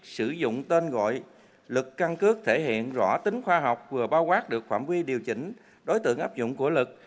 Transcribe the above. sử dụng tên gọi luật căn cước thể hiện rõ tính khoa học vừa bao quát được khoảng quy điều chỉnh đối tượng áp dụng của luật